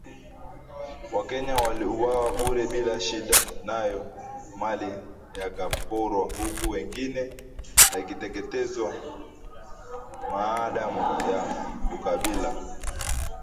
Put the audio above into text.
Wakenya waliuwawa bure bila shida, nayo mali yakaporwa huku mengine yakiteketezwa maadamu ya ukabila